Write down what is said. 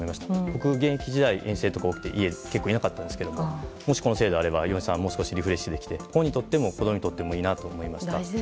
僕、現役時代は遠征とかが多くて家に結構いなかったんですけどもしこの制度があれば嫁さんはもっとリフレッシュできて親にとっても子供にとってもいいなと思いました。